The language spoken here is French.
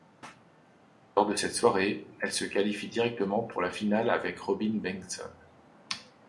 Lors de cette soirée, elle se qualifie directement pour la finale avec Robin Bengtsson.